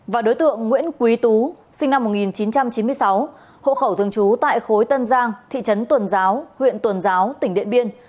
và đối tượng nguyễn quý tú sinh năm một nghìn chín trăm chín mươi sáu hộ khẩu thường trú tại khối tân giang thị trấn tuần giáo huyện tuần giáo tỉnh điện biên